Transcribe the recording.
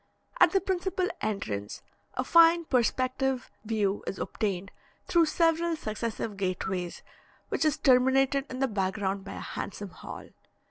At the principal entrance, a fine perspective view is obtained through several successive gateways, which is terminated in the background by a handsome hall.